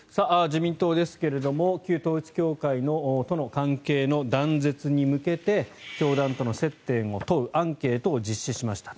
自民党ですけれども旧統一教会との関係の断絶に向けて教団との接点を問うアンケートを実施しました。